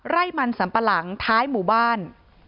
ไร่มันสัมปะหลังท้ายหมู่บ้าน